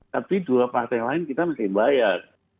tapi dua partai lain kita mesti bayar